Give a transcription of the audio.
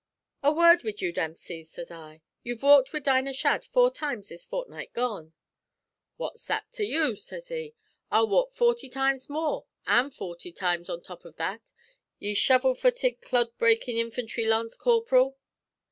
"'A word wid you, Dempsey,' sez I. 'You've walked wid Dinah Shadd four times this fortnight gone.' "'What's that to you?' sez he. 'I'll walk forty times more, an' forty on top av that, ye shovel futted, clod breakin' infantry lance corp'ril.'